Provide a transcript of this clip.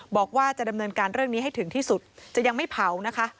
บอกว่าจะดำเนินการเรื่องนี้ให้ถึงที่สุดจะยังไม่เผานะคะ